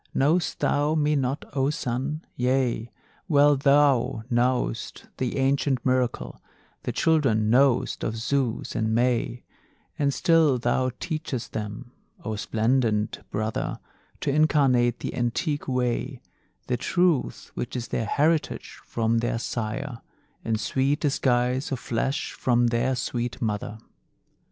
Know'st thou me not, O Sun? Yea, well Thou know'st the ancient miracle, The children know'st of Zeus and May; And still thou teachest them, O splendent Brother, To incarnate, the antique way, The truth which is their heritage from their Sire In sweet disguise of flesh from their sweet Mother.